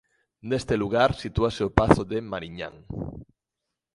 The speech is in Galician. Neste lugar sitúase o pazo de Mariñán.